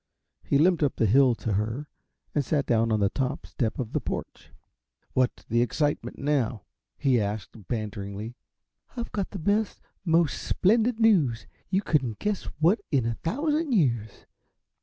He limped up the hill to her, and sat down on the top step of the porch. "What's the excitement now?" he asked, banteringly. "I've got the best, the most SPLENDID news you couldn't guess what in a thousand years!"